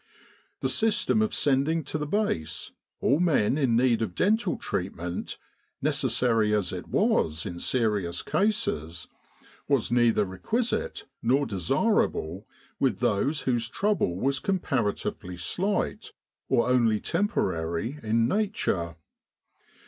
The system of sending to the Base all men in need of dental treatment, necessary as it was in serious cases, was neither requisite nor desirable with those whose trouble was comparatively slight or only temporary in nature.